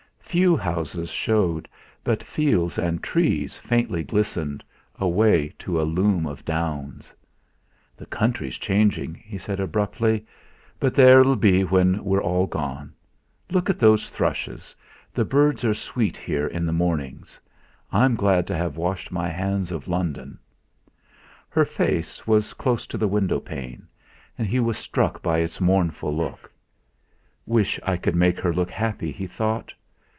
Few houses showed, but fields and trees faintly glistened, away to a loom of downs. "The country's changing," he said abruptly, "but there it'll be when we're all gone. Look at those thrushes the birds are sweet here in the mornings. I'm glad to have washed my hands of London." Her face was close to the window pane, and he was struck by its mournful look. 'Wish I could make her look happy!' he thought.